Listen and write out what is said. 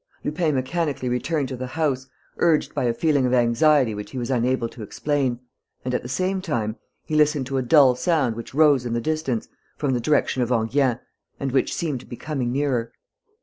Lupin mechanically returned to the house, urged by a feeling of anxiety which he was unable to explain; and, at the same time, he listened to a dull sound which rose in the distance, from the direction of Enghien, and which seemed to be coming nearer....